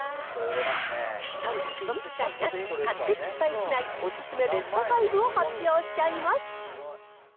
そんたく一切なし、買って失敗しないお勧めベスト５を発表しちゃいます。